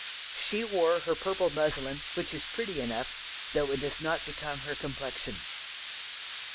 She wore her purple muslin, which is pretty enough, though it does not become her complexion...."